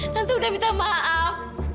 tante sudah minta maaf